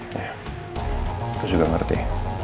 saya juga mengerti